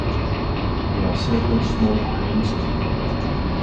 There are several small islands in the bay.